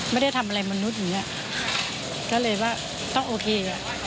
ไม่ได้ทำอะไรมนุษย์อย่างเงี้ยก็เลยว่าต้องโอเคอ่ะ